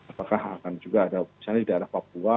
apakah akan juga ada misalnya di daerah papua